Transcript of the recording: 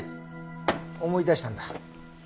思い出したんだ。